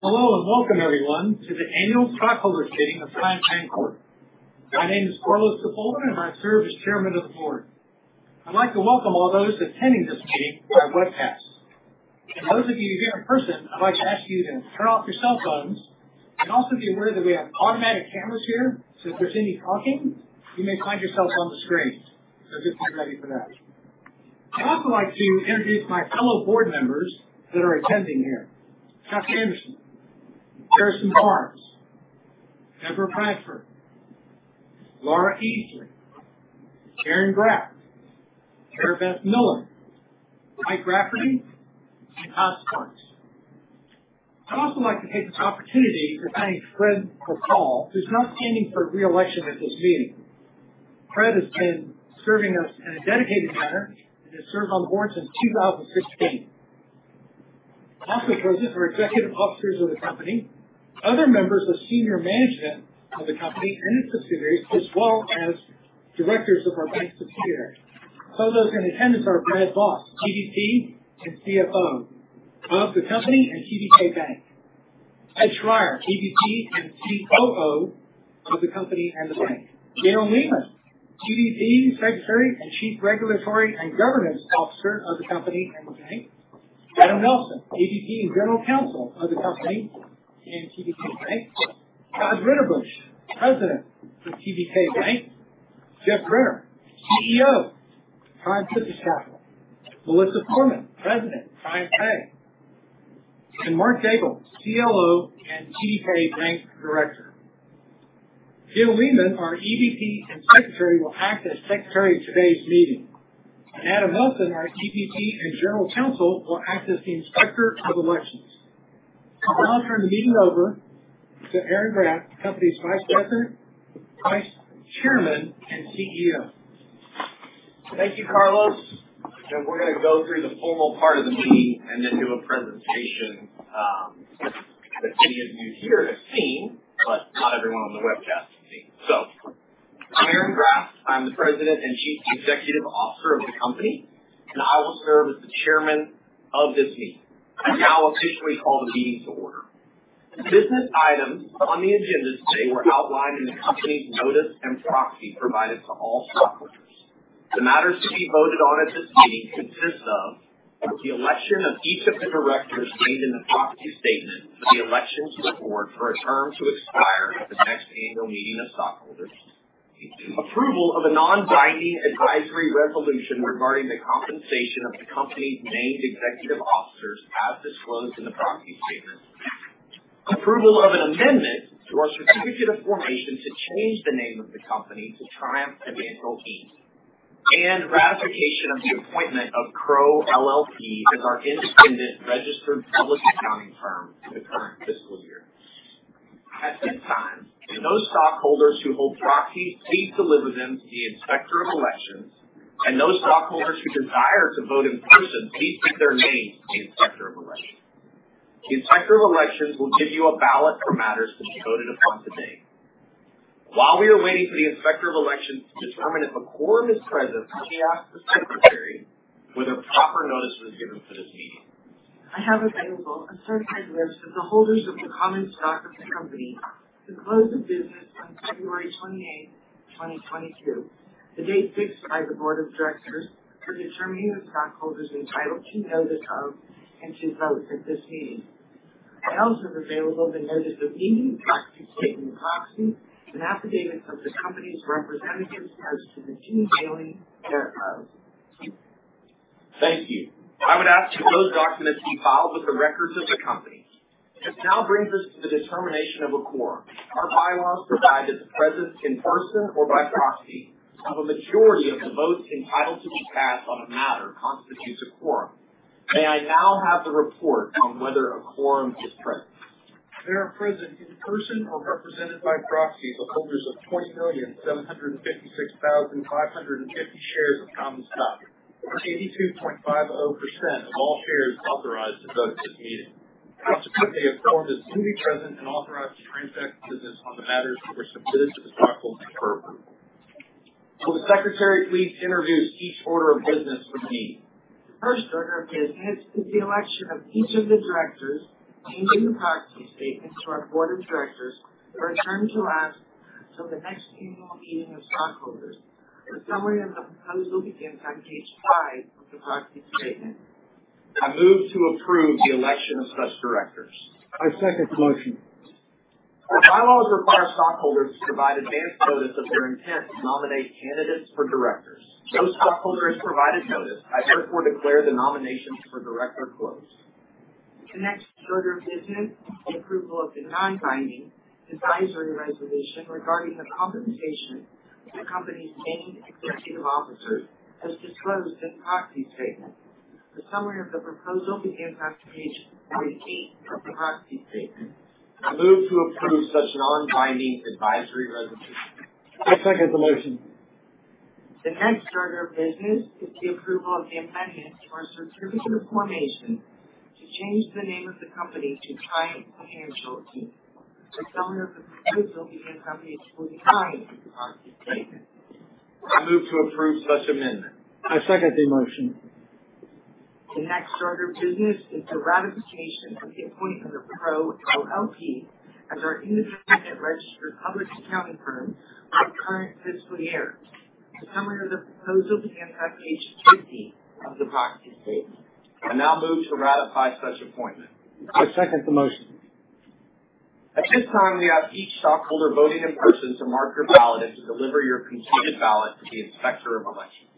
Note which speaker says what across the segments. Speaker 1: Hello and welcome everyone to the annual stockholder meeting of Triumph Bancorp, Inc. My name is Carlos Sepulveda and I serve as Chairman of the Board. I'd like to welcome all those attending this meeting by webcast. Those of you here in person, I'd like to ask you to turn off your cell phones and also be aware that we have automatic cameras here, so if there's any talking, you may find yourself on the screen. Just be ready for that. I'd also like to introduce my fellow board members that are attending here. Chuck Anderson, Harrison Barnes, Deborah Priebatsch, Laura Easley, Aaron Graft, Maribess Miller, Michael P. Rafferty, and Todd Sparks. I'd also like to take this opportunity to thank Fred McCaul, who's not standing for re-election at this meeting. Fred has been serving us in a dedicated manner, and has served on the board since 2016. I also introduce our executive officers of the company, other members of senior management of the company and its subsidiaries, as well as directors of our bank subsidiary. Some of those in attendance are Brad Voss, EVP and CFO of the company and TBK Bank. Ed Schreyer, EVP and COO of the company and the bank. Gail Lehmann, EVP, Secretary, and Chief Regulatory and Governance Officer of the company and the bank. Adam Nelson, EVP and General Counsel of the company and TBK Bank. Todd Ritterbusch, President of TBK Bank. Geoff Brenner, CEO, Triumph Financial. Melissa Forman, President, TriumphPay. Mark Daigle, CLO and TBK Bank director. Gail Lehmann, our EVP and Secretary, will act as Secretary of today's meeting. Adam Nelson, our EVP and general counsel, will act as the inspector of elections. I'll now turn the meeting over to Aaron Graft, the company's Vice President, Vice Chairman, and CEO. Thank you, Carlos. We're gonna go through the formal part of the meeting and then do a presentation that many of you here have seen, but not everyone on the webcast can see. I'm Aaron Graft, I'm the President and Chief Executive Officer of the company, and I will serve as the Chairman of this meeting. I now officially call the meeting to order. The business items on the agenda today were outlined in the company's notice and proxy provided to all stockholders. The matters to be voted on at this meeting consists of the election of each of the directors named in the proxy statement for the election to the board for a term to expire at the next annual meeting of stockholders. Approval of a non-binding advisory resolution regarding the compensation of the company's named executive officers as disclosed in the proxy statement. Approval of an amendment to our certificate of formation to change the name of the company to Triumph Financial, Inc. Ratification of the appointment of Crowe LLP as our independent registered public accounting firm for the current fiscal year. At this time, those stockholders who hold proxies, please deliver them to the Inspector of Elections. Those stockholders who desire to vote in person, please give their name to the Inspector of Elections. The Inspector of Elections will give you a ballot for matters to be voted upon today. While we are waiting for the Inspector of Elections to determine if a quorum is present, let me ask the secretary whether proper notice was given for this meeting.
Speaker 2: I have available a certified list of the holders of the common stock of the company as of close of business on February 28, 2022, the date fixed by the board of directors for determining the stockholders entitled to notice of and to vote at this meeting. I also have available the notice of meeting, proxy statement, and proxy, and an affidavit from the company's representatives as to the due mailing thereof.
Speaker 1: Thank you. I would ask that those documents be filed with the records of the company. This now brings us to the determination of a quorum. Our by-laws provide that the presence in person or by proxy of a majority of the votes entitled to be cast on a matter constitutes a quorum. May I now have the report on whether a quorum is present? There are present in person or represented by proxy the holders of 20,756,550 shares of common stock, or 82.5% of all shares authorized to vote at this meeting. Consequently, a quorum does indeed present and authorized to transact business on the matters that were submitted to the stockholders for approval. Will the secretary please introduce each order of business with me.
Speaker 2: The first order of business is the election of each of the directors named in the proxy statement to our board of directors for a term to last till the next annual meeting of stockholders. The summary of the proposal begins on page five of the proxy statement.
Speaker 1: I move to approve the election of such directors. I second the motion. Our by-laws require stockholders to provide advance notice of their intent to nominate candidates for directors. No stockholder has provided notice. I therefore declare the nominations for director closed.
Speaker 2: The next order of business is approval of the non-binding advisory resolution regarding the compensation of the company's named executive officers as disclosed in the proxy statement. The summary of the proposal begins on page 18 of the proxy statement.
Speaker 1: I move to approve such a non-binding advisory resolution. I second the motion.
Speaker 2: The next order of business is the approval of the amendment to our certificate of formation to change the name of the company to Triumph Financial, Inc. The summary of the proposal begins on page 49 of the proxy statement.
Speaker 1: I move to approve such amendment. I second the motion. The next order of business is the ratification of the appointment of Crowe LLP as our independent registered public accounting firm for our current fiscal year. A summary of the proposal can be found on page 50 of the proxy statement. I now move to ratify such appointment. I second the motion. At this time, we ask each stockholder voting in person to mark your ballot and to deliver your completed ballot to the Inspector of Elections.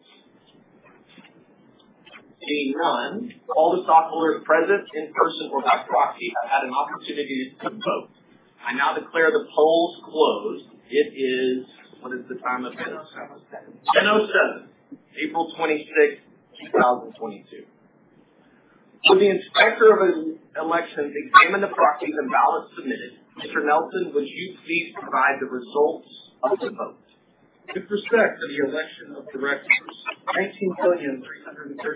Speaker 1: Seeing none, all the stockholders present in person or by proxy have had an opportunity to vote. I now declare the polls closed. It is. What is the time of this? 10:07. April 26th 2022. Will the Inspector of Elections examine the proxies and ballots submitted? Mr. Nelson, would you please provide the results of the vote?
Speaker 3: With respect to the election of directors, 19,331,591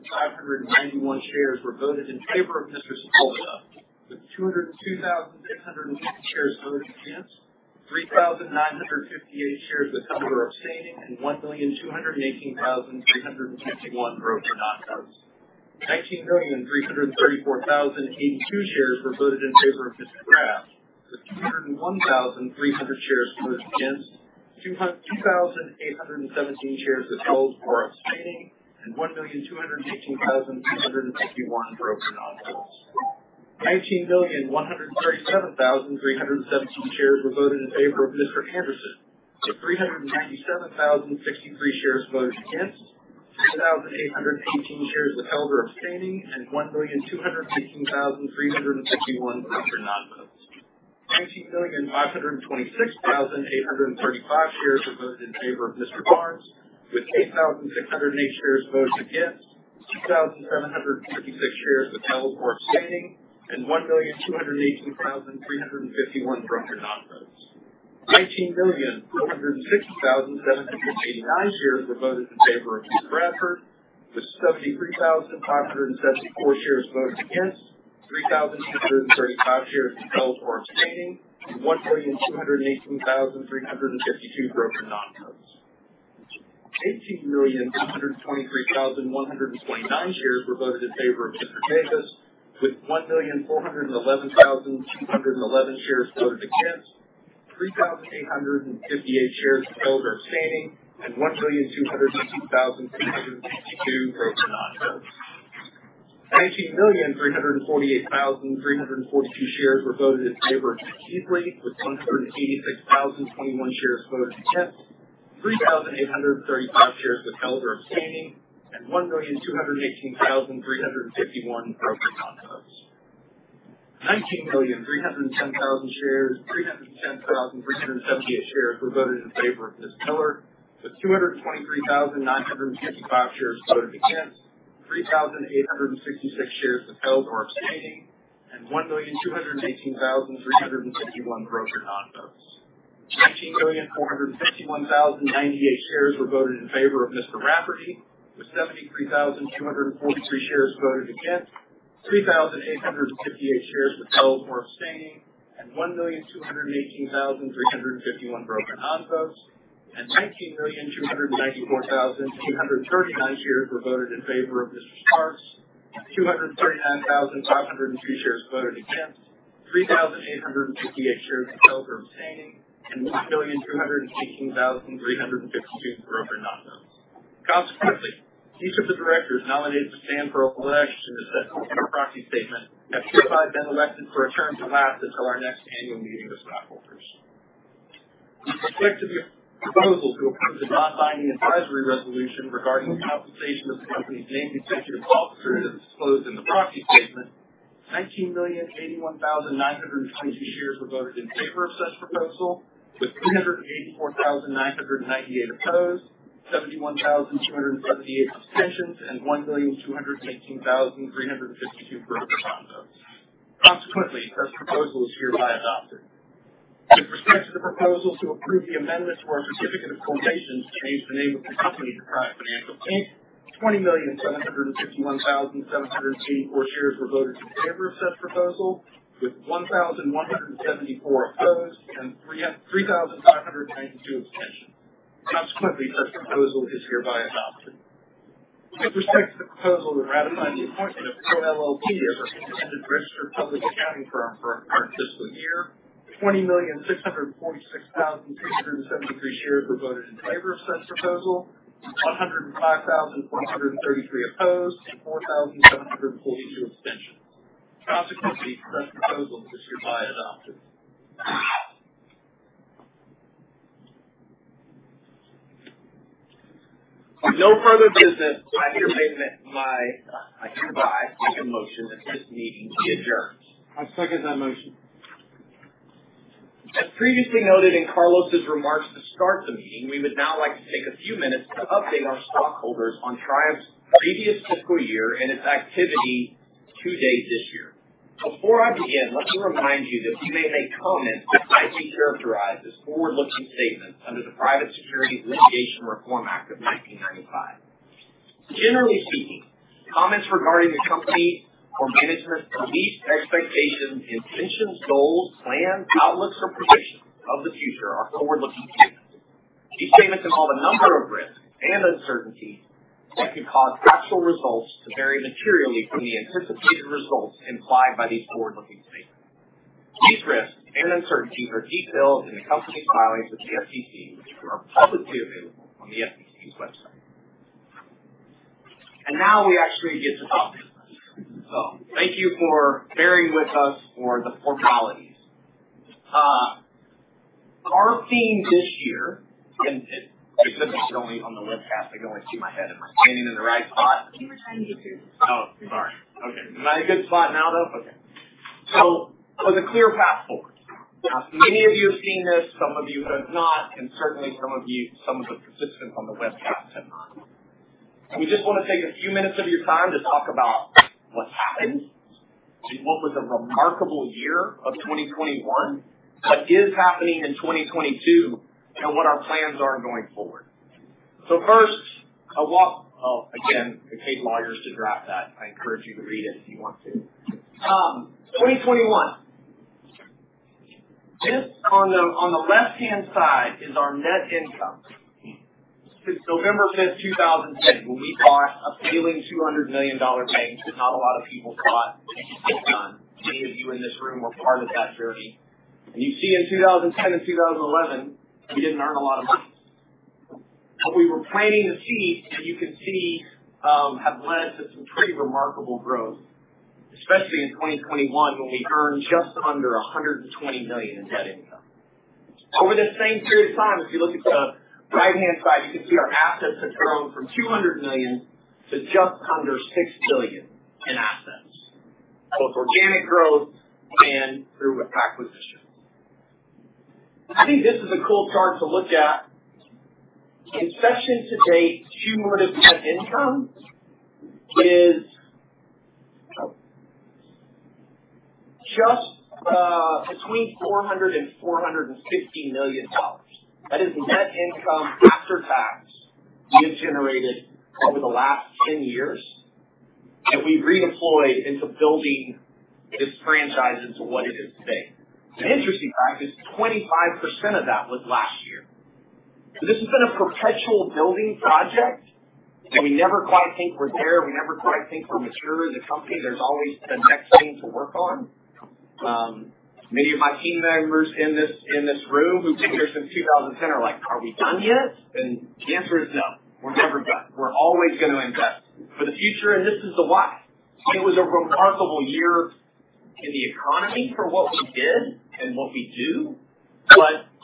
Speaker 3: shares were voted in favor of Mr. Sepulveda, with 202,650 shares voted against, 3,958 shares withheld or abstaining, and 1,218,351 broker non-votes. 19,334,082 shares were voted in favor of Mr. Graft, with 201,300 shares voted against, 2,817 shares withheld or abstaining, and 1,218,351 broker non-votes. 19,137,317 shares were voted in favor of Mr.
Speaker 1: Anderson, with 397,063 shares voted against, 2,818 shares withheld or abstaining, and 1,218,351 broker non-votes. 19,526,835 shares were voted in favor of Mr. Barnes, with 8,608 shares voted against, 2,756 shares withheld or abstaining, and 1,218,351 broker non-votes. 19,460,789 shares were voted in favor of Mr. Bradford, with 73,574 shares voted against, 3,635 shares withheld or abstaining, and 1,218,352 broker non-votes. 18,123,129 shares were voted in favor of Mr. Davis, with 1,411,211 shares voted against, 3,858 shares withheld or abstaining, and 1,218,352 broker non-votes. 19,348,342 shares were voted in favor of Mr. Easley, with 186,021 shares voted against, 3,835 shares withheld or abstaining, and 1,218,351 broker non-votes. 19,310,378 shares were voted in favor of Ms. Miller, with 223,955 shares voted against, 3,866 shares withheld or abstaining, and 1,218,351 broker non-votes.19,451,098 shares were voted in favor of Mr. Rafferty, with 73,243 shares voted against, 3,858 shares withheld or abstaining, and 1,218,351 broker non-votes.19,294,239 shares were voted in favor of Mr. Sparks, with 239,502 shares voted against, 3,858 shares withheld or abstaining, and 1,218,352 broker non-votes. Consequently, each of the directors nominated to stand for election as set forth in the proxy statement have hereby been elected for a term to last until our next annual meeting of stockholders. With respect to the proposal to approve the non-binding advisory resolution regarding the compensation of the company's named executive officers as disclosed in the proxy statement, 19,081,922 shares were voted in favor of such proposal, with 384,998 opposed, 71,278 abstentions, and 1,218,352 broker non-votes. Consequently, such proposal is hereby adopted. With respect to the proposal to approve the amendments to our certificate of incorporation to change the name of the company to Triumph Financial, Inc., 20,761,774 shares were voted in favor of such proposal, with 1,174 opposed, and 3,592 abstentions. Consequently, such proposal is hereby adopted. With respect to the proposal to ratify the appointment of Crowe LLP as our independent registered public accounting firm for our current fiscal year, 20,646,273 shares were voted in favor of such proposal, 105,133 opposed, and 4,742 abstentions. Consequently, such proposal is hereby adopted.
Speaker 4: With no further business, I hereby second the motion that this meeting be adjourned. I second that motion. As previously noted in Carlos' remarks to start the meeting, we would now like to take a few minutes to update our stockholders on Triumph's previous fiscal year and its activity to date this year. Before I begin, let me remind you that we may make comments that might be characterized as forward-looking statements under the Private Securities Litigation Reform Act of 1995. Generally speaking, comments regarding the company or management's beliefs, expectations, intentions, goals, plans, outlooks, or predictions of the future are forward-looking statements. These statements involve a number of risks and uncertainties that could cause actual results to vary materially from the anticipated results implied by these forward-looking statements.
Speaker 1: These risks and uncertainties are detailed in the company's filings with the SEC, which are publicly available on the SEC's website. Now we actually get to talk business. Thank you for bearing with us for the formalities. Our theme this year, and if the people only on the webcast, they can only see my head and I'm standing in the right spot.
Speaker 2: Can you return to,
Speaker 1: Oh, I'm sorry. Okay. Am I in a good spot now, though? Okay. For the clear path forward. Now, many of you have seen this, some of you have not, and certainly some of you, some of the participants on the webcast have not. We just want to take a few minutes of your time to talk about what's happened, what was a remarkable year of 2021, what is happening in 2022, and what our plans are going forward. First, oh, again, it takes lawyers to draft that. I encourage you to read it if you want to. 2021. This on the left-hand side is our net income. Since November 5th, 2010, when we bought a failing $200 million bank that not a lot of people thought could get done. Many of you in this room were part of that journey. You see in 2010 and 2011, we didn't earn a lot of money. We were planting the seeds that you can see have led to some pretty remarkable growth, especially in 2021, when we earned just under $120 million in net income. Over the same period of time, if you look at the right-hand side, you can see our assets have grown from $200 million to just under $6 billion in assets, both organic growth and through acquisition. I think this is a cool chart to look at. Inception to date, cumulative net income is just between $400 million and $460 million. That is net income after tax we have generated over the last 10 years, and we've re-deployed into building this franchise into what it is today. An interesting fact is 25% of that was last year. This has been a perpetual building project, and we never quite think we're there. We never quite think we're mature as a company. There's always the next thing to work on. Many of my team members in this room who've been here since 2010 are like, Are we done yet? The answer is no, we're never done. We're always gonna invest for the future, and this is why. It was a remarkable year in the economy for what we did and what we do.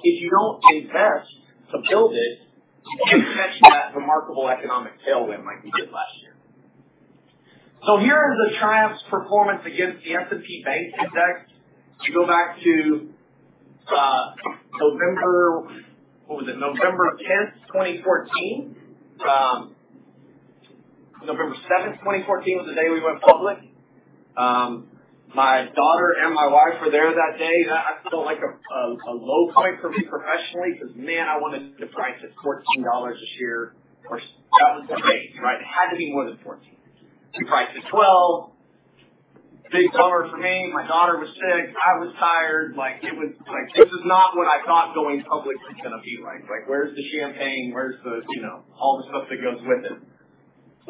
Speaker 1: If you don't invest to build it, you don't catch that remarkable economic tailwind like we did last year. Here is Triumph's performance against the S&P Base Index to go back to November tenth, 2014. November seventh, 2014 was the day we went public. My daughter and my wife were there that day. That felt like a low point for me professionally because, man, I wanted to price at $14 a share or 7.8, right? It had to be more than 14. We priced at $12. Big bummer for me. My daughter was sick. I was tired. Like, it was like, this is not what I thought going public was gonna be like. Like, where's the champagne? Where's the, you know, all the stuff that goes with it?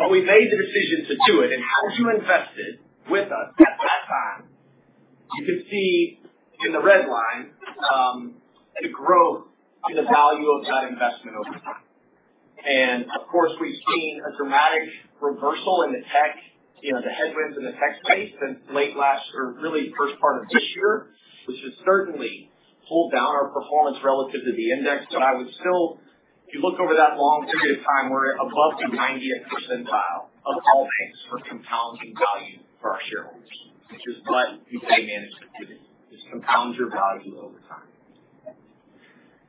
Speaker 1: But we made the decision to do it. Had you invested with us at that time, you could see in the red line, the growth in the value of that investment over time. Of course, we've seen a dramatic reversal in the tech, you know, the headwinds in the tech space since late last year, really first part of this year, which has certainly pulled down our performance relative to the index. I would still. If you look over that long period of time, we're above the ninetieth percentile of all banks for compounding value for our shareholders, which is what you pay management fees. Just compound your value over time.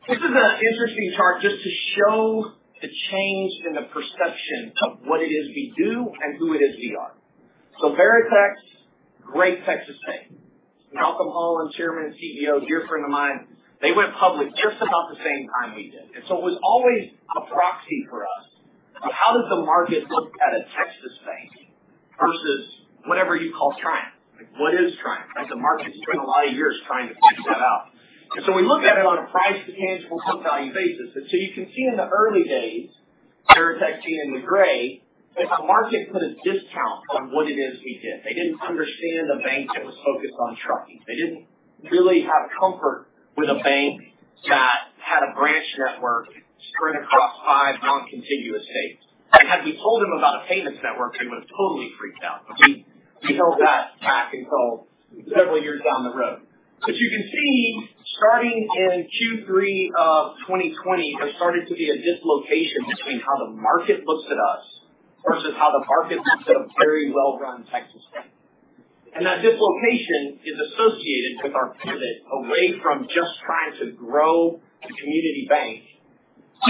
Speaker 1: This is an interesting chart just to show the change in the perception of what it is we do and who it is we are. Veritex, great Texas bank. C.Malcolm Holland, Chairman and CEO, dear friend of mine, they went public just about the same time we did. It was always a proxy for us of how does the market look at a Texas bank versus whatever you call Triumph. Like, what is Triumph? Like the market spent a lot of years trying to figure that out. We look at it on a price-to-tangible book value basis. You can see in the early days, Veritex, seen in the gray, the market put a discount on what it is we did. They didn't understand a bank that was focused on trucking. They didn't really have comfort with a bank that had a branch network spread across five non-contiguous states. Had we told them about a payments network, they would have totally freaked out. We held that back until several years down the road. You can see starting in third quarter of 2020, there started to be a dislocation between how the market looks at us versus how the market looks at a very well-run Texas bank. That dislocation is associated with our pivot away from just trying to grow a community bank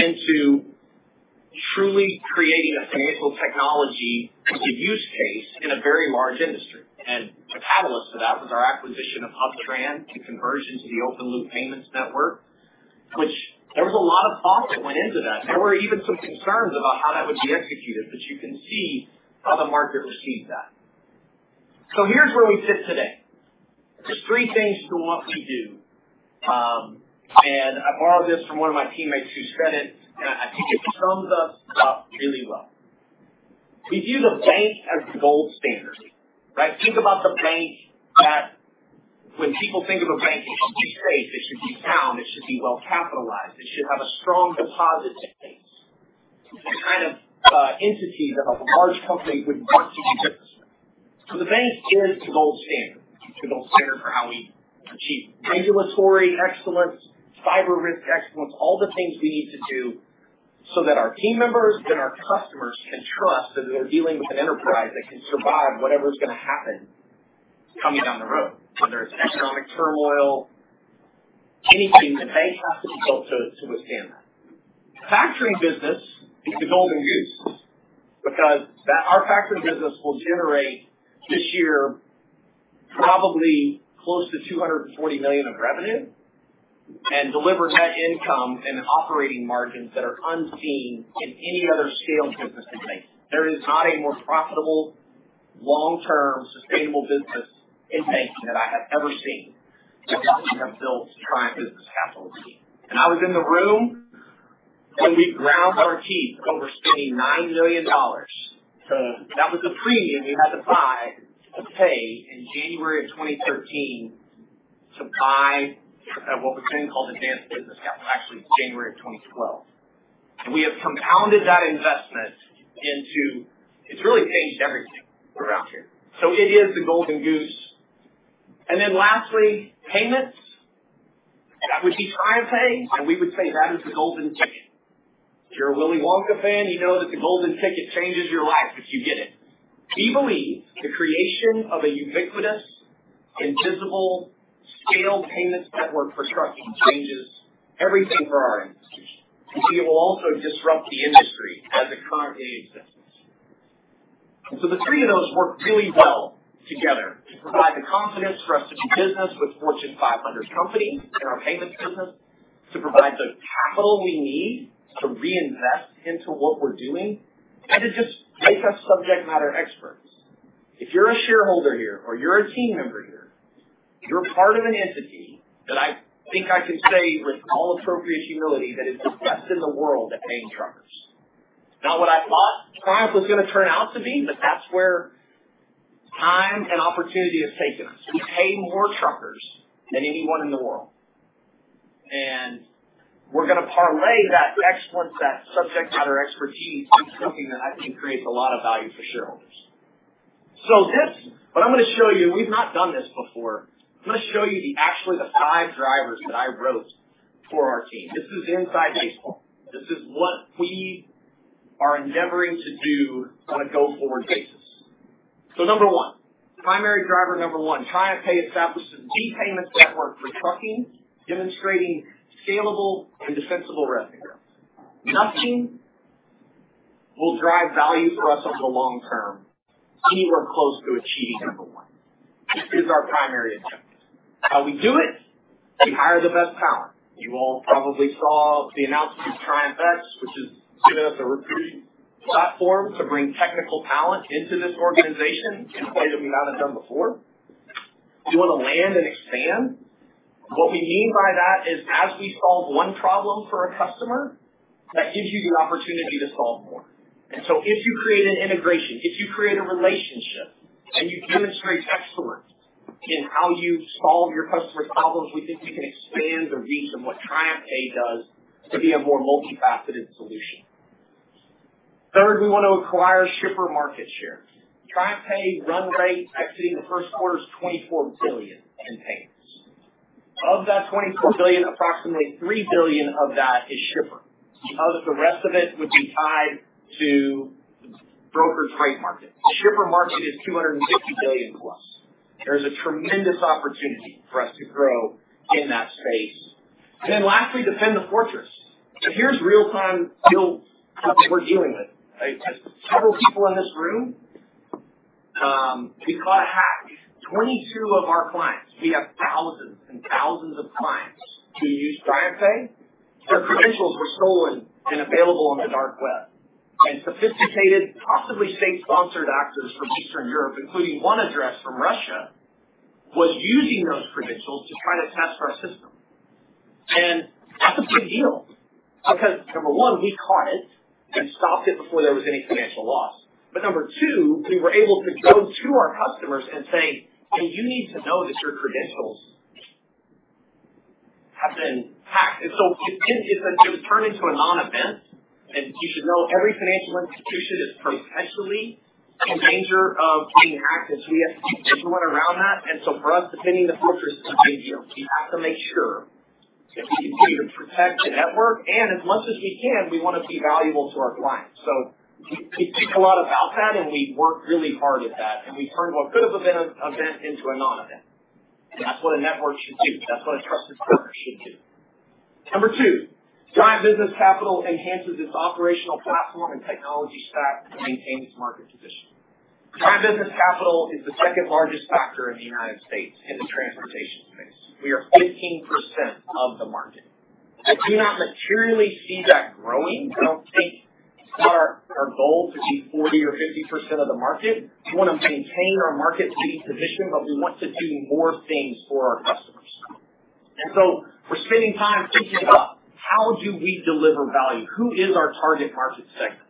Speaker 1: into truly creating a financial technology with a use case in a very large industry. The catalyst to that was our acquisition of HubTran to convert into the open-loop payments network, which there was a lot of thought that went into that. There were even some concerns about how that would be executed, but you can see how the market received that. Here's where we sit today. There's three things to what we do. I borrowed this from one of my teammates who said it, and I think it sums us up really well. We view the bank as the gold standard, right? Think about the bank that when people think of a bank, it should be safe, it should be sound, it should be well capitalized, it should have a strong deposit base. The kind of entity that a large company would want to do business with. The bank is the gold standard. It's the gold standard for how we achieve regulatory excellence, cyber risk excellence, all the things we need to do so that our team members and our customers can trust that they're dealing with an enterprise that can survive whatever's gonna happen coming down the road. Whether it's economic turmoil, anything, the bank has to be built to withstand that. Factoring business is the golden goose because our factoring business will generate this year probably close to $240 million of revenue and deliver net income and operating margins that are unseen in any other scaled business in banking. There is not a more profitable, long-term, sustainable business in banking that I have ever seen than what we have built at Triumph Business Capital team. I was in the room when we ground our teeth over spending $9 million. That was the premium we had to pay to buy in January of 2013 to buy, what was then called Advance Business Capital. Actually, it's January of 2012. We have compounded that investment. It's really changed everything around here. It is the golden goose. Then lastly, payments. That would be TriumphPay, and we would say that is the golden ticket. If you're a Willy Wonka fan, you know that the golden ticket changes your life if you get it. We believe the creation of a ubiquitous, invisible, scaled payments network for trucking changes everything for our institution. We see it will also disrupt the industry as it currently exists. The three of those work really well together to provide the confidence for us to do business with Fortune 500 companies in our payments business, to provide the capital we need to re-invest into what we're doing, and to just make us subject matter experts. If you're a shareholder here or you're a team member here, you're part of an entity that I think I can say with all appropriate humility, that is the best in the world at paying truckers. Not what I thought Triumph was gonna turn out to be, but that's where time and opportunity has taken us. We pay more truckers than anyone in the world, and we're gonna parlay that excellence, that subject matter expertise into something that I think creates a lot of value for shareholders. This is what I'm gonna show you, and we've not done this before. I'm gonna show you actually the five drivers that I wrote for our team. This is inside baseball. This is what we are endeavoring to do on a go-forward basis. Number one, primary driver, TriumphPay establishes the payment network for trucking, demonstrating scalable and defensible revenue growth. Nothing will drive value for us over the long term till we're close to achieving number one. This is our primary objective. How we do it, we hire the best talent. You all probably saw the announcement of Triumph X, which has given us a recruiting platform to bring technical talent into this organization in a way that we haven't done before. We wanna land and expand. What we mean by that is as we solve one problem for a customer, that gives you the opportunity to solve more. If you create an integration, if you create a relationship, and you demonstrate excellence in how you solve your customer's problems, we think we can expand the reach of what TriumphPay does to be a more multifaceted solution. Third, we want to acquire shipper market share. TriumphPay run rate exiting the first quarter is $24 billion in payments. Of that $24 billion, approximately $3 billion of that is shipper. Of the rest of it would be tied to brokers freight market. The shipper market is $250 billion plus. There is a tremendous opportunity for us to grow in that space. Then lastly, defend the fortress. Here's real-time, real stuff that we're dealing with. Several people in this room, we caught a hack. 22 of our clients, we have thousands and thousands of clients who use TriumphPay. Their credentials were stolen and available on the dark web. Sophisticated, possibly state-sponsored actors from Eastern Europe, including one address from Russia, was using those credentials to try to test our system. That's a big deal because, number one, we caught it and stopped it before there was any financial loss. Number two, we were able to go to our customers and say, Hey, you need to know that your credentials have been hacked. It was turned into a non-event. You should know every financial institution is potentially in danger of being hacked. We have to do what around that. For us, defending the fortress is ideal. We have to make sure that we continue to protect the network, and as much as we can, we wanna be valuable to our clients. We think a lot about that and we work really hard at that. We turned what could have been an event into a non-event. That's what a network should do. That's what a trusted partner should do. Number two, Triumph Business Capital enhances its operational platform and technology stack to maintain its market position. Triumph Business Capital is the second-largest factor in the United States in the transportation space. We are 15% of the market. I do not materially see that growing. I don't think our goal to be 40% or 50% of the market. We want to maintain our market leading position, but we want to do more things for our customers. We're spending time thinking about how do we deliver value, who is our target market segment?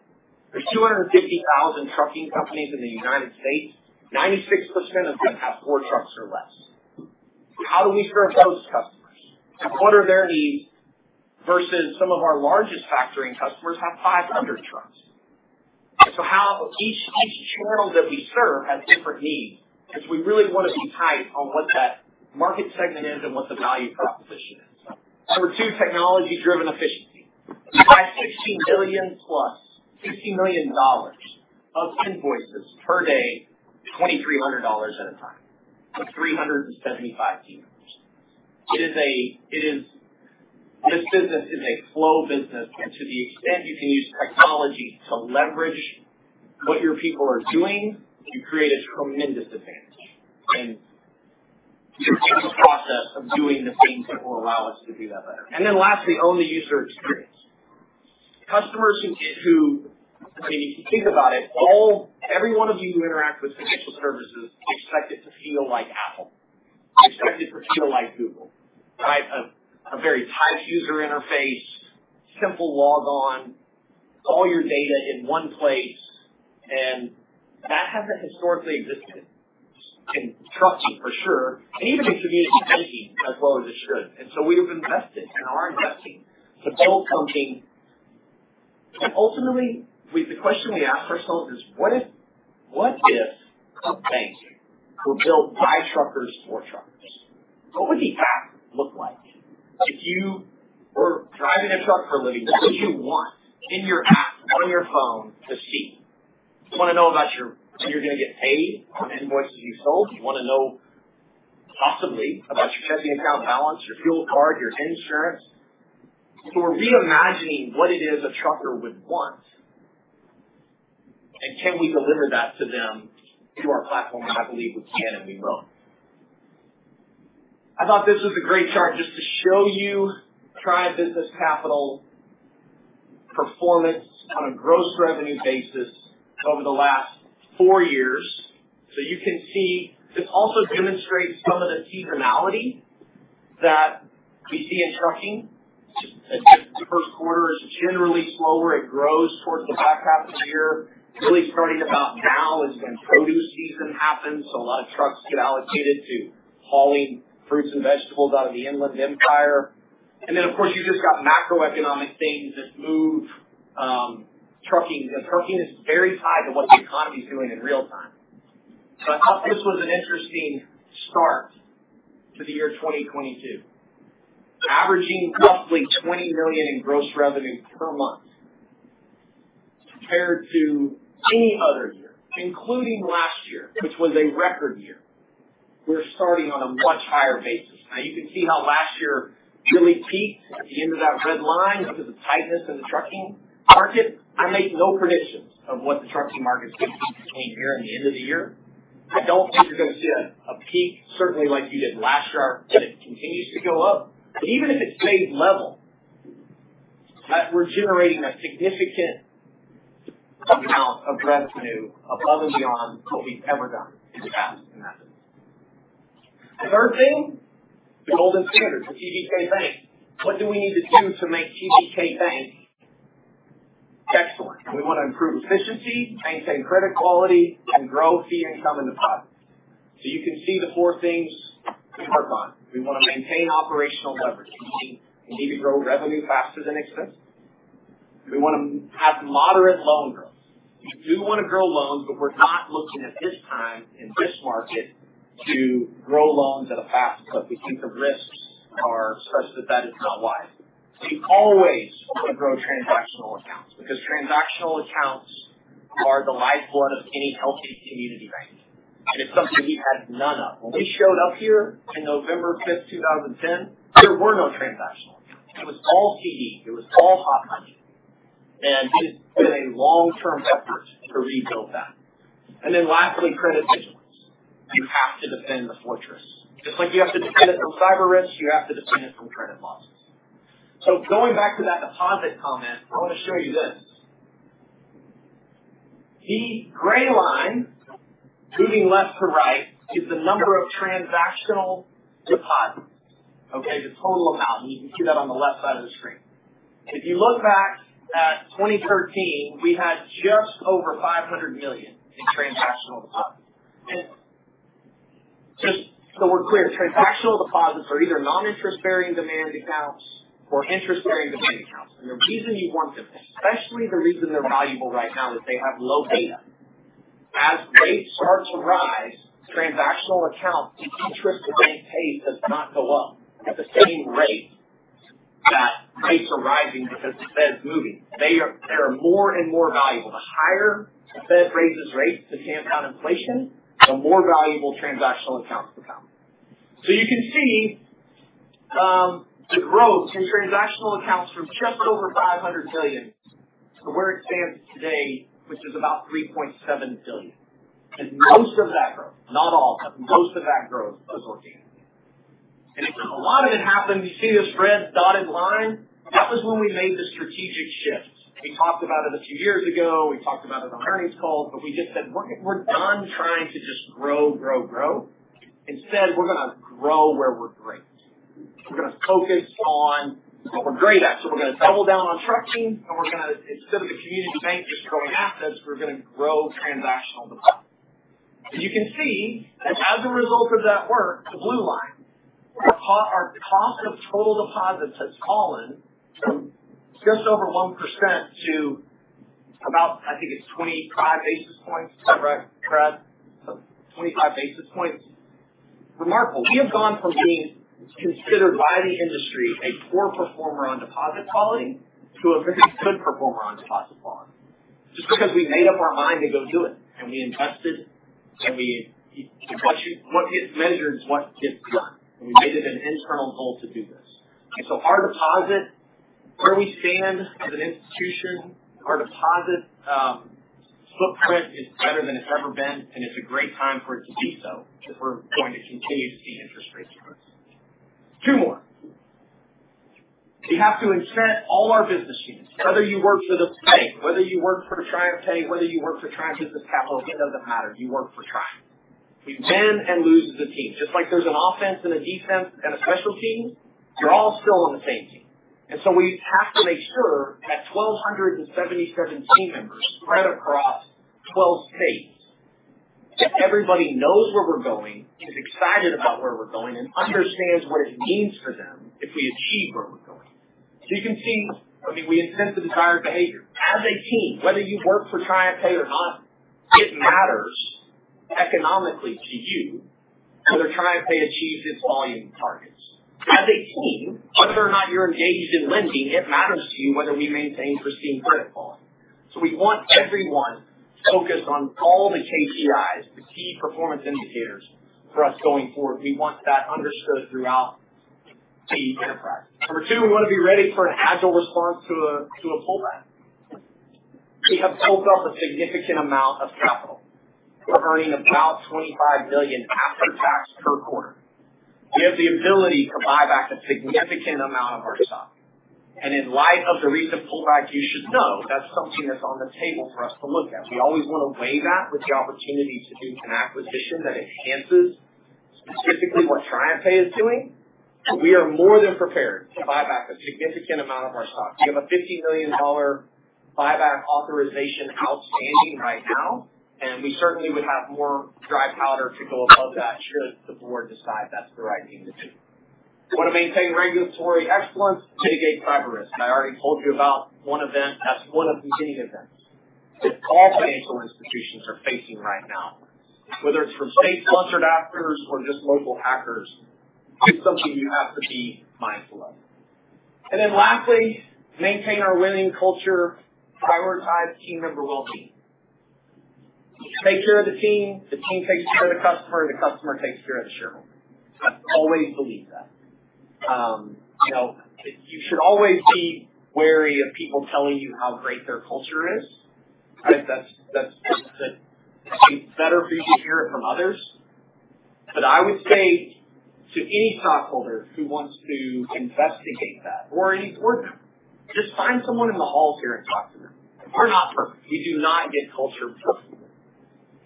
Speaker 1: There's 250,000 trucking companies in the United States. 96% of them have four trucks or less. How do we serve those customers and what are their needs versus some of our largest factoring customers have 500 trucks. How each channel that we serve has different needs. We really want to be tight on what that market segment is and what the value proposition is. Number two, technology-driven efficiency. That's $16 billion plus $16 million of invoices per day, $2,300 at a time of 375 teams. This business is a flow business. To the extent you can use technology to leverage what your people are doing, you create a tremendous advantage. To improve the process of doing the same thing will allow us to do that better. Then lastly, own the user experience. Customers who I mean, if you think about it, every one of you who interact with financial services expect it to feel like Apple. Expect it to feel like Google. Right? A very tight user interface, simple log on, all your data in one place. That hasn't historically existed in trucking for sure, and even in community banking as well as it should. We have invested and are investing to build something. Ultimately, the question we ask ourselves is what if, what if a bank were built by truckers for truckers? What would the app look like? If you were driving a truck for a living, what would you want in your app on your phone to see? You wanna know about when you're gonna get paid on invoices you sold. You wanna know possibly about your checking account balance, your fuel card, your insurance. We're re-imagining what it is a trucker would want, and can we deliver that to them through our platform? I believe we can and we will. I thought this was a great chart just to show you Triumph Business Capital performance on a gross revenue basis over the last four years. You can see this also demonstrates some of the seasonality that we see in trucking. The first quarter is generally slower. It grows towards the back half of the year, really starting about now as when produce season happens. A lot of trucks get allocated to hauling fruits and vegetables out of the Inland Empire. Then of course, you've just got macro-economic things that move, trucking, because trucking is very tied to what the economy is doing in real time. I thought this was an interesting start to the year 2022, averaging roughly $20 million in gross revenue per month compared to any other year, including last year, which was a record year. We're starting on a much higher basis. Now, you can see how last year really peaked at the end of that red line because of the tightness in the trucking market. I make no predictions of what the trucking market is between here and the end of the year. I don't think you're gonna see a peak, certainly like you did last year. It continues to go up. Even if it stays level, that we're generating a significant amount of revenue above and beyond what we've ever done in the past in that business. The third thing, the gold standard for TBK Bank. What do we need to do to make TBK Bank excellent? We wanna improve efficiency, maintain credit quality, and grow fee income and deposits. You can see the four things we work on. We wanna maintain operational leverage. We need to grow revenue faster than expense. We wanna have moderate loan growth. We do wanna grow loans, but we're not looking at this time in this market to grow loans at a fast clip. We think the risks are such that that is not wise. We always wanna grow transactional accounts because transactional accounts are the lifeblood of any healthy community bank, and it's something we had none of. When we showed up here in November 5th, 2010, there were no transactional accounts. It was all CD, it was all hot money. It has been a long-term effort to rebuild that. Then lastly, credit vigilance. You have to defend the fortress. Just like you have to defend it from cyber risks, you have to defend it from credit losses. Going back to that deposit comment, I want to show you this. The gray line, reading left to right, is the number of transactional deposits. Okay? The total amount, and you can see that on the left side of the screen. If you look back at 2013, we had just over $500 million in transactional deposits. Just so we're clear, transactional deposits are either non-interest bearing demand accounts or interest bearing demand accounts. The reason you want them, especially the reason they're valuable right now, is they have low beta. As rates start to rise, transactional accounts, the interest the bank pays does not go up at the same rate that rates are rising because the Fed's moving. They are more and more valuable. The higher the Fed raises rates to tamp down inflation, the more valuable transactional accounts become. You can see the growth in transactional accounts from just over $500 billion to where it stands today, which is about $3.7 billion. Most of that growth, not all, but most of that growth was organic. A lot of it happened. You see this red dotted line? That was when we made the strategic shift. We talked about it a few years ago. We talked about it on earnings calls, but we just said, we're done trying to just grow, grow. Instead, we're gonna grow where we're great. We're gonna focus on what we're great at. We're gonna double down on trucking, and we're gonna, instead of a community bank just growing assets, grow transactional deposits. You can see that as a result of that work, the blue line, our cost of total deposits has fallen just over 1% to about, I think it's 25 basis points. Is that right, Brad? 25 basis points. Remarkable. We have gone from being considered by the industry a poor performer on deposit quality to a very good performer on deposit quality. Just because we made up our mind to go do it, and we invested, what gets measured is what gets done. We made it an internal goal to do this. Our deposit, where we stand as an institution, our deposit footprint is better than it's ever been, and it's a great time for it to be so, because we're going to continue to see interest rates rise. Two more. We have to incent all our business units, whether you work for the bank, whether you work for TriumphPay, whether you work for Triumph Business Capital, it doesn't matter. You work for Triumph. We win and lose as a team. Just like there's an offense and a defense and a special team, you're all still on the same team. We have to make sure that 1,277 team members spread across 12 states, that everybody knows where we're going, is excited about where we're going, and understands what it means for them if we achieve where we're going. You can see, I mean, we incent the desired behavior. As a team, whether you work for TriumphPay or not, it matters economically to you whether TriumphPay achieves its volume targets. As a team, whether or not you're engaged in lending, it matters to you whether we maintain pristine credit quality. We want everyone focused on all the KPIs, the key performance indicators for us going forward. We want that understood throughout the enterprise. Number two, we want to be ready for an agile response to a pull-back. We have built up a significant amount of capital. We're earning about $25 million after tax per quarter. We have the ability to buy back a significant amount of our stock. In light of the recent pull-back, you should know that's something that's on the table for us to look at. We always want to weigh that with the opportunity to do an acquisition that enhances specifically what TriumphPay is doing. We are more than prepared to buy back a significant amount of our stock. We have a $50 million buyback authorization outstanding right now, and we certainly would have more dry powder to go above that should the board decide that's the right thing to do. We want to maintain regulatory excellence, mitigate cyber risk. I already told you about one event as one of many events that all financial institutions are facing right now, whether it's from state-sponsored actors or just local hackers. It's something you have to be mindful of. Lastly, maintain our winning culture, prioritize team member wellbeing. Take care of the team, the team takes care of the customer, the customer takes care of the shareholder. I always believe that. You know, you should always be wary of people telling you how great their culture is, right? That's, it's better for you to hear it from others. I would say to any stakeholder who wants to investigate that or any board member, just find someone in the halls here and talk to them. We're not perfect. We do not get culture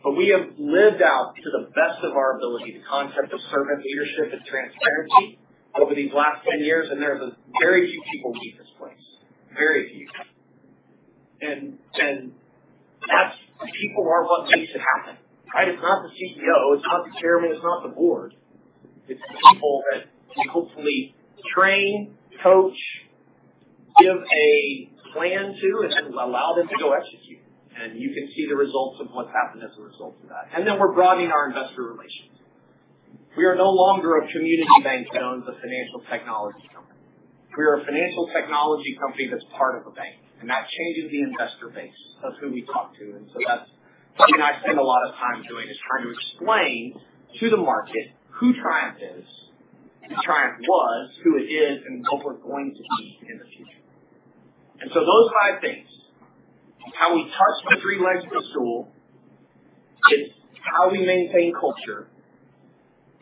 Speaker 1: perfectly. We have lived out to the best of our ability the concept of servant leadership and transparency over these last 10 years, and there's a very few people who leave this place, very few. That's the people who are what makes it happen, right? It's not the CEO, it's not the chairman, it's not the board. It's the people that we hopefully train, coach, give a plan to, and then allow them to go execute. You can see the results of what's happened as a result of that. Then we're broadening our investor relations. We are no longer a community bank that owns a financial technology company. We are a financial technology company that's part of a bank, and that changes the investor base. That's who we talk to. That's something I spend a lot of time doing, is trying to explain to the market who Triumph is, who Triumph was, who it is, and what we're going to be in the future. Those five things, how we touch the three legs of the stool, it's how we maintain culture,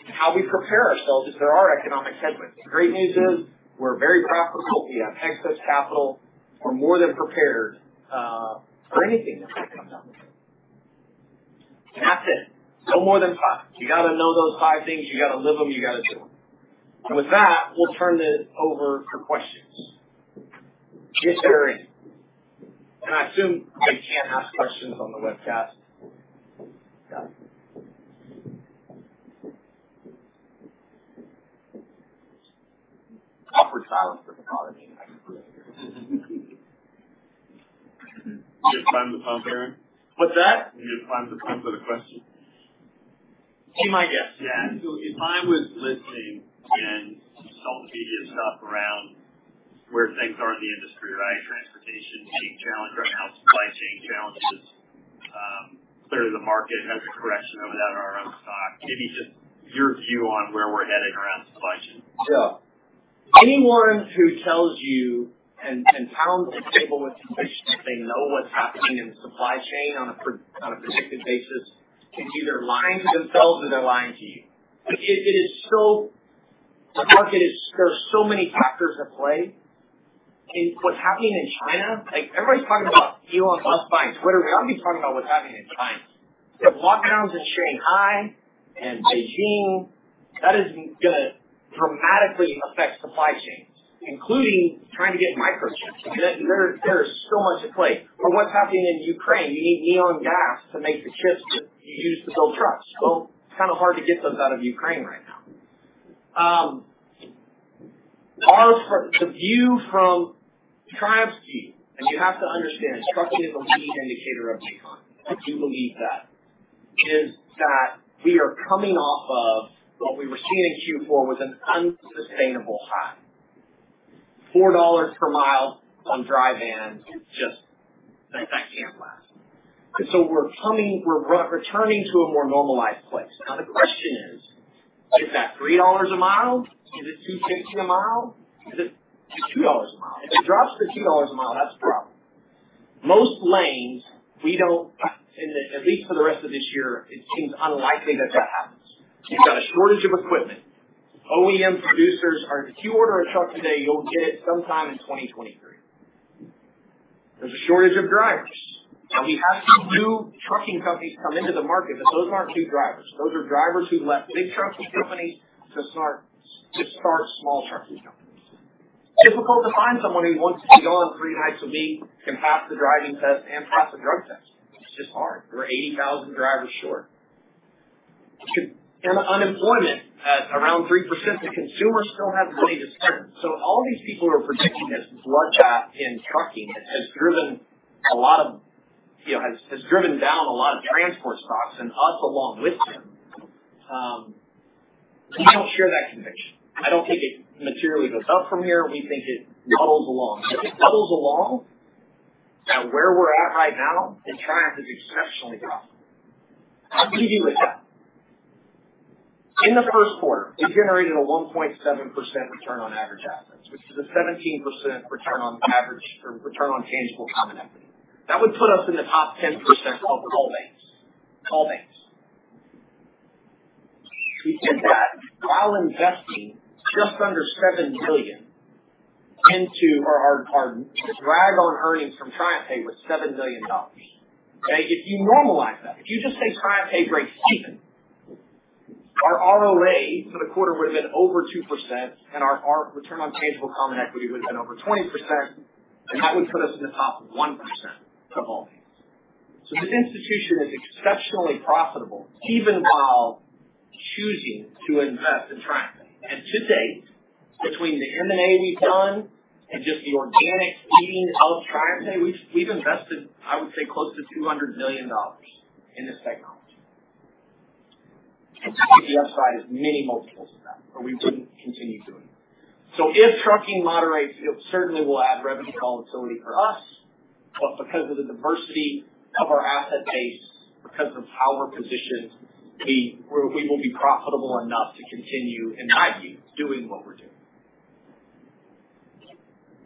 Speaker 1: and how we prepare ourselves if there are economic head-winds. The great news is we're very profitable. We have excess capital. We're more than prepared for anything that might come down the road. That's it. No more than five. You got to know those five things. You got to live them, you got to do them. With that, we'll turn this over for questions. Yes, sir. I assume I can't ask questions on the webcast. Got it. Awkward silence with technology, I can assure you.
Speaker 5: You have time to pump, Aaron?
Speaker 1: What's that?
Speaker 5: you have time to prep for the question?
Speaker 1: Be my guest, yeah.
Speaker 5: If I was listening in to all the media stuff around where things are in the industry, right, transportation being challenged right now, supply-chain challenges, clearly the market and every correction of that in our own stock. Give me just your view on where we're heading around supply chain.
Speaker 1: Anyone who tells you and pounds the table with conviction that they know what's happening in the supply chain on a predictive basis is either lying to themselves or they're lying to you. It is so. The market is. There are so many factors at play in what's happening in China. Like, everybody's talking about Elon Musk buying Twitter. Y'all be talking about what's happening in China. The lockdowns in Shanghai and Beijing, that is gonna dramatically affect supply chains, including trying to get microchips. There is so much at play. Or what's happening in Ukraine. You need neon gas to make the chips that you use to build trucks. Well, it's kinda hard to get those out of Ukraine right now. The view from Triumph's view, and you have to understand, trucking is a lead indicator of the economy. I do believe that we are coming off of what we were seeing in fourth quarter was an unsustainable high. $4 per mile on dry van is just that can't last. We're returning to a more normalized place. Now the question is that $3 a mile? Is it $2.50 a mile? Is it $2 a mile? If it drops to $2 a mile, that's a problem. Most lanes, we don't at least for the rest of this year, it seems unlikely that happens. You've got a shortage of equipment. OEM producers are. If you order a truck today, you'll get it sometime in 2023. There's a shortage of drivers. Now we have some new trucking companies come into the market, but those aren't new drivers. Those are drivers who left big trucking companies to start small trucking companies. Difficult to find someone who wants to be gone three nights a week, can pass the driving test and pass a drug test. It's just hard. We're 80,000 drivers short. Unemployment at around 3%, the consumer still has money to spend. All these people who are predicting this bloodbath in trucking has driven a lot of, you know, driven down a lot of transport stocks and us along with them. We don't share that conviction. I don't think it materially goes up from here. We think it muddles along. If it muddles along at where we're at right now, then Triumph is exceptionally profitable. I'll give you example. In the first quarter, it generated a 1.7% return on average assets, which is a 17% return on tangible common equity. That would put us in the top 10% of all banks. All banks. We did that while investing just under $7 billion. The drag on earnings from TriumphPay was $7 million. Okay? If you normalize that, if you just say TriumphPay breaks even, our ROA for the quarter would have been over 2%, and our return on tangible common equity would have been over 20%, and that would put us in the top 1% of all banks. This institution is exceptionally profitable, even while choosing to invest in TriumphPay. To date, between the M&A we've done and just the organic seeding of TriumphPay, we've invested, I would say, close to $200 million in this technology. The EPS side is many multiples of that, or we wouldn't continue doing it. If trucking moderates, it certainly will add revenue volatility for us. Because of the diversity of our asset base, because of how we're positioned, we will be profitable enough to continue, in my view, doing what we're doing.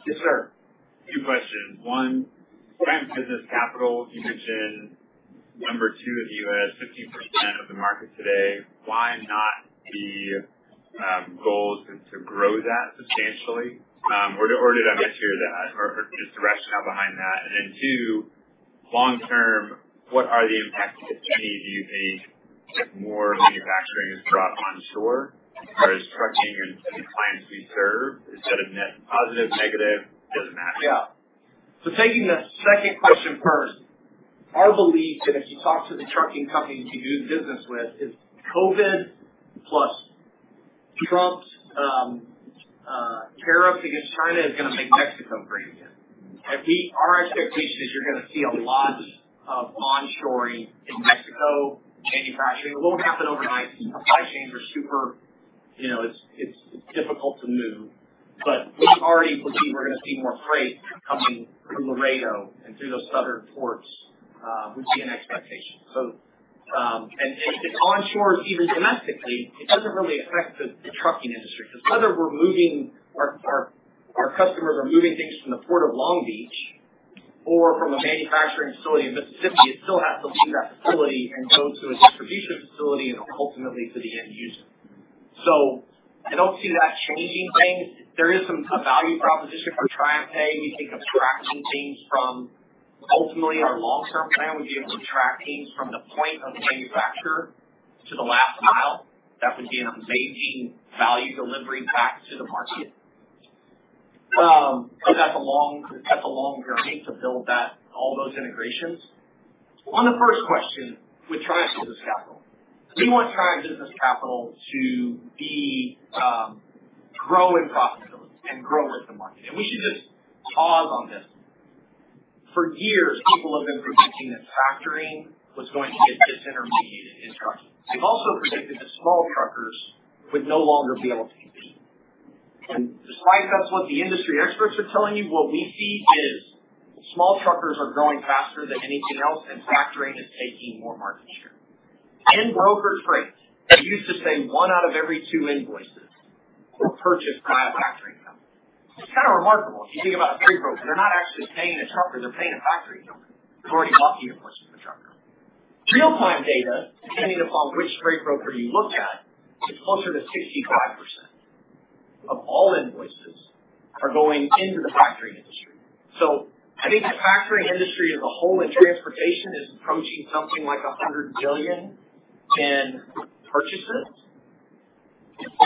Speaker 1: Yes, sir.
Speaker 6: Two questions. One, Triumph Business Capital, you mentioned number two in the U.S., 15% of the market today. Why is the goal to grow that substantially? Or did I mishear that or just the rationale behind that? Two, long-term, what are the impacts, if any, if more manufacturing is brought onshore as far as trucking or the clients we serve? Does that mean positive, negative, or doesn't matter?
Speaker 1: Yeah, taking the second question first, our belief, and if you talk to the trucking companies we do business with, is COVID plus Trump's tariff against China is gonna make Mexico great again. Our expectation is you're gonna see a lot of onshoring in Mexico. Manufacturing won't happen overnight. Supply chains are super, you know, it's difficult to move. We already believe we're gonna see more freight coming through Laredo and through those southern ports would be an expectation. If it onshores even domestically, it doesn't really affect the trucking industry. Whether our customers are moving things from the Port of Long Beach or from a manufacturing facility in Mississippi, it still has to leave that facility and go to a distribution facility and ultimately to the end user. I don't see that changing things. There is a value proposition for TriumphPay. We think of tracking things from. Ultimately, our long-term plan would be of tracking from the point of manufacture to the last mile. That would be an amazing value delivery back to the market. But that's a long journey to build that, all those integrations. On the first question with Triumph Business Capital, we want Triumph Business Capital to grow in profitability and grow with the market. We should just pause on this. For years, people have been predicting that factoring was going to get disintermediated in trucking. They've also predicted that small truckers would no longer be able to exist. Despite that's what the industry experts are telling you, what we see is small truckers are growing faster than anything else, and factoring is taking more market share. In broker stats, they used to say one out of every two invoices were purchased by a factoring company. It's kind of remarkable if you think about a freight broker, they're not actually paying a trucker, they're paying a factoring company who already bought the invoice from the trucker. Real-time data, depending upon which freight broker you look at, it's closer to 65% of all invoices are going into the factoring industry. I think the factoring industry as a whole in transportation is approaching something like $100 billion in purchases.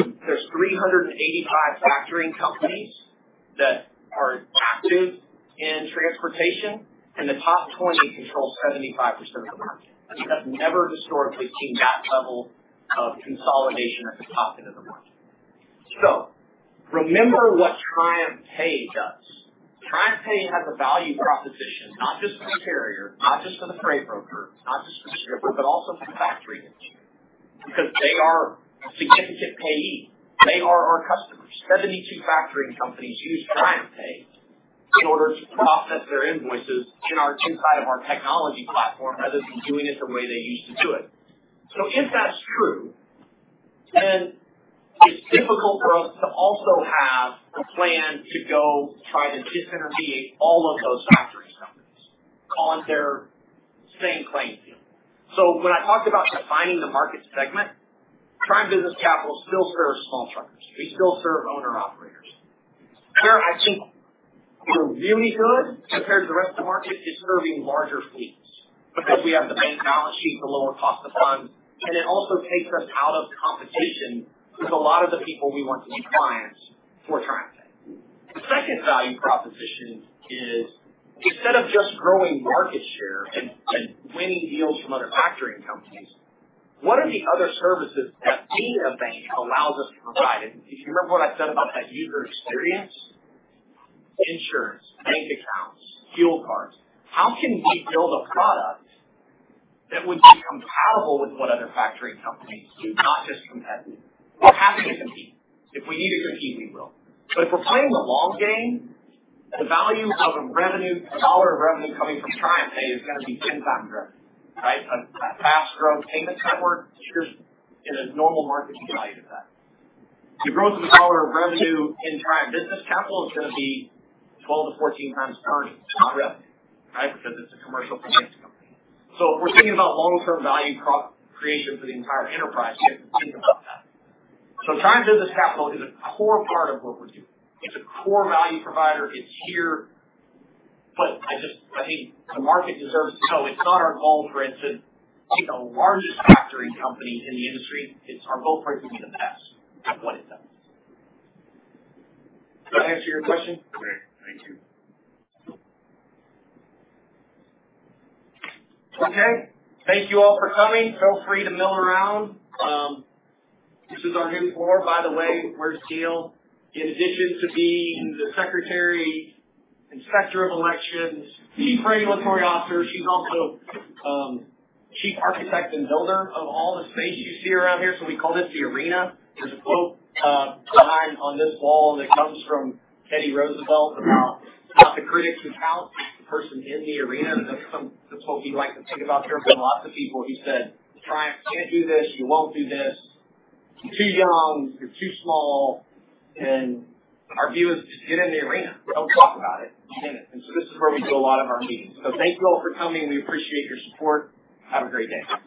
Speaker 1: There are 385 factoring companies that are active in transportation, and the top 20 control 75% of the market. We have never historically seen that level of consolidation at the top end of the market. Remember what TriumphPay does. TriumphPay has a value proposition, not just for the carrier, not just for the freight broker, not just for the shipper, but also for the factoring industry, because they are a significant payee. They are our customers. 72 factoring companies use TriumphPay in order to process their invoices inside of our technology platform, rather than doing it the way they used to do it. If that's true, then it's difficult for us to also have a plan to go try to disintermediate all of those factoring companies on their same playing field. When I talked about defining the market segment, Triumph Business Capital still serves small truckers. We still serve owner-operators. Where I think we're really good compared to the rest of the market is serving larger fleets because we have the bank balance sheet, the lower cost of funds, and it also takes us out of competition with a lot of the people we want to be clients for TriumphPay. The second value proposition is instead of just growing market share and winning deals from other factoring companies, what are the other services that being a bank allows us to provide? If you remember what I said about that user experience, insurance, bank accounts, fuel cards. How can we build a product that would be compatible with what other factoring companies do, not just compete? We're happy to compete. If we need to compete, we will. If we're playing the long game, the value of $1 of revenue coming from TriumphPay is going to be 10 times revenue, right? A fast growth payment network, there's a normal market value to that. The growth of $1 of revenue in Triumph Business Capital is going to be 12x-14x earnings, not revenue, right? Because it's a commercial finance company. If we're thinking about long-term value creation for the entire enterprise, we have to think about that. Triumph Business Capital is a core part of what we're doing. It's a core value provider. It's here. I think the market deserves to know it's not our goal for it to be the largest factoring company in the industry. It's our goal for it to be the best at what it does. Does that answer your question?
Speaker 5: Great. Thank you.
Speaker 1: Okay. Thank you all for coming. Feel free to mill around. This is our new floor, by the way. Where's Teal? In addition to being the secretary, inspector of elections, chief regulatory officer, she's also chief architect and builder of all the space you see around here. We call this the arena. There's a quote behind on this wall that comes from Teddy Roosevelt about the critics who count the person in the arena. That's what we like to think about. There have been lots of people who said, Triumph, you can't do this. You won't do this. You're too young, you're too small. Our view is just get in the arena. Don't talk about it. Get in it. This is where we do a lot of our meetings. Thank you all for coming. We appreciate your support. Have a great day.